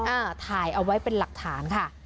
อ่าถ่ายเอาไว้เป็นหลักฐานค่ะ